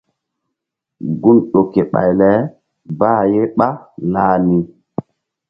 Gun ƴo ke ɓay le bah ye ɓálah ni.